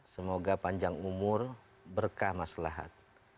semoga panjang umur berkah maslahat